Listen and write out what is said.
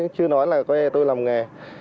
chứ nói là tôi làm nghề